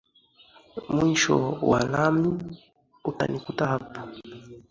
Mwisho wa lami, utanikuta hapo.